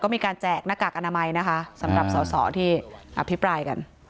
มีการแจกหน้ากากอนามัยนะคะสำหรับสอสอที่อภิปรายกัน